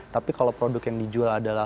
tapi kalau produk yang dijual adalah